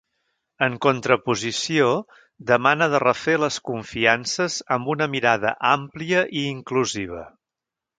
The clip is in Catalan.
En contraposició, demana de refer les confiances amb una mirada àmplia i inclusiva.